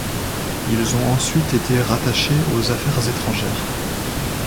Ils ont ensuite été rattachés aux Affaires étrangères.